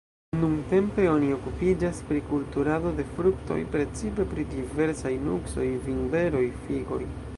Nuntempe oni okupiĝas pri kulturado de fruktoj, precipe pri diversaj nuksoj, vinberoj, figoj.